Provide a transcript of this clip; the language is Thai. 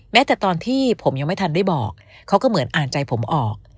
แต่ตอนที่ผมยังไม่ทันได้บอกเขาก็เหมือนอ่านใจผมออก